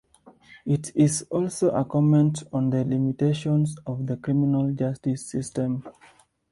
It is also a comment on the limitations of the criminal justice system.